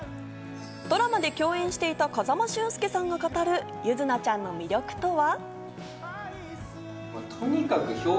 ドラマで共演していた風間俊介さんが語る柚凪ちゃんの魅力とは？